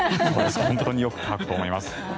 本当によく乾くと思います。